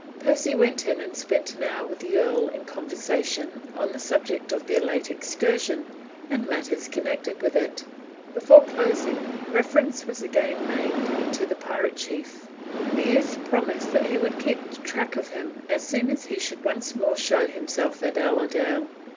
Percy went in and spent an hour with the earl in conversation on the subject of their late excursion and matters connected with it. Before closing reference was again made to the pirate chief. The youth promised that he would keep track of him as soon as he should once more show himself at Allerdale.